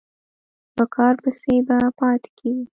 په کار پسې به پاتې کېږې.